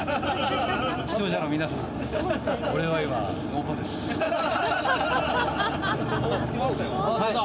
視聴者の皆さん俺は今、ノーパンです。